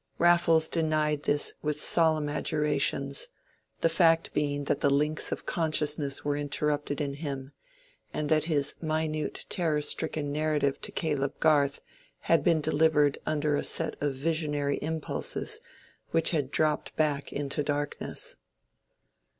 Raffles denied this with solemn adjurations; the fact being that the links of consciousness were interrupted in him, and that his minute terror stricken narrative to Caleb Garth had been delivered under a set of visionary impulses which had dropped back into darkness.